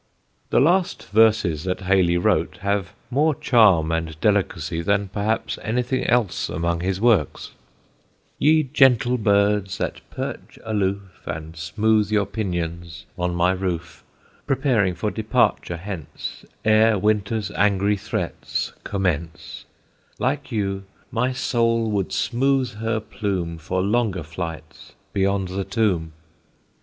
The last verses that Hayley wrote have more charm and delicacy than perhaps anything else among his works: Ye gentle birds that perch aloof, And smooth your pinions on my roof, Preparing for departure hence Ere winter's angry threats commence; Like you, my soul would smooth her plume For longer flights beyond the tomb.